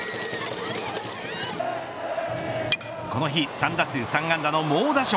この日３打数３安打の猛打賞。